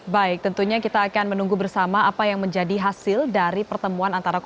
baik tentunya kita akan menunggu bersama apa yang menjadi hasil dari pertemuan antara